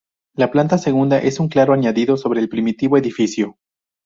La planta segunda es un claro añadido sobre el primitivo edificio.